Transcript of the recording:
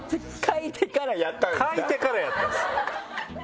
書いてからやったんですか？